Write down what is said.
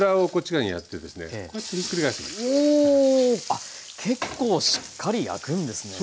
あっ結構しっかり焼くんですね。